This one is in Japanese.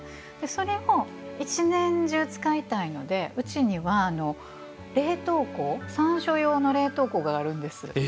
それを、１年中使いたいのでうちには山椒用の冷凍庫があるんです。